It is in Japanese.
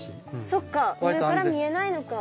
そっか上から見えないのか。